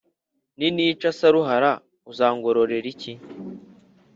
ninica Saruhara uzangororera iki?